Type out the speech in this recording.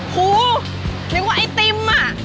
หูนึกว่าไอติมอ่ะ